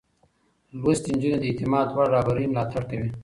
لوستې نجونې د اعتماد وړ رهبرۍ ملاتړ کوي.